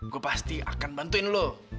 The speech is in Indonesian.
gue pasti akan bantuin lo